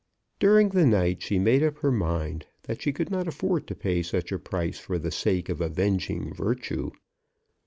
During the night she made up her mind that she could not afford to pay such a price for the sake of avenging virtue.